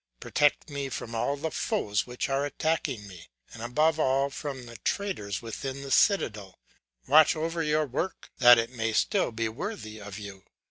Protect me from all the foes which are attacking me, and above all from the traitors within the citadel; watch over your work, that it may still be worthy of you.